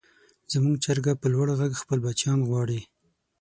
زموږ چرګه په لوړ غږ خپل بچیان غواړي.